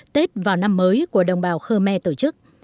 tết vào năm mới của đồng bào khmer tổ chức